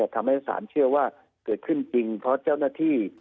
ทำให้สารเชื่อว่าเกิดขึ้นจริงเพราะเจ้าหน้าที่